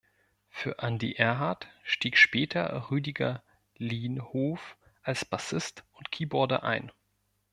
Für Andi Erhard stieg später Rüdiger Linhof als Bassist und Keyboarder ein.